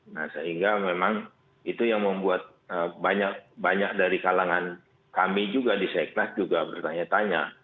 nah sehingga memang itu yang membuat banyak dari kalangan kami juga di seknas juga bertanya tanya